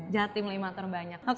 jatim lima terbanyak